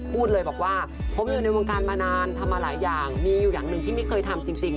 พูดเลยบอกว่าผมอยู่ในวงการมานานทำมาหลายอย่างมีอยู่อย่างหนึ่งที่ไม่เคยทำจริง